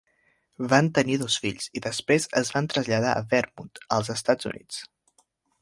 Van tenir dos fills i després es van traslladar a Vermont, als Estats Units.